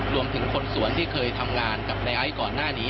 รวมถึงคนสวนที่เคยทำงานกับนายไอซ์ก่อนหน้านี้